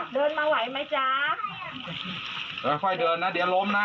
เดี๋ยวค่อยเดินนะเดี๋ยวล้มนะ